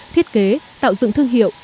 thiết kế tạo dựng thương hiệu